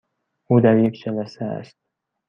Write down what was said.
او در یک جلسه است.